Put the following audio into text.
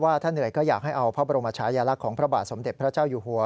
ถ้าเหนื่อยก็อยากให้เอาพระบรมชายลักษณ์ของพระบาทสมเด็จพระเจ้าอยู่หัว